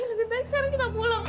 lebih baik sekarang kita pulang